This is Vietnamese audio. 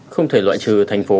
không thể loại trừ thành phố